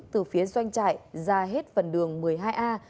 từ phía doanh trại ra hết phần đường một mươi hai a